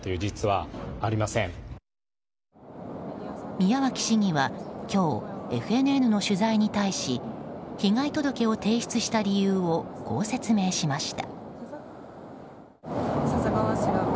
宮脇市議は今日、ＦＮＮの取材に対し被害届を提出した理由をこう説明しました。